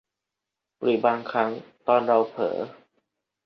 หรือบางครั้งตอนเราเผลอ